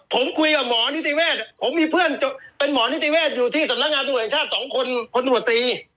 ผมคุยกับหมอนิติเวทย์ผมมีเพื่อนเป็นหมอนิติเวทย์อยู่ที่สำนักงานส่วนใหญ่ชาติ๒คนคนหัวตี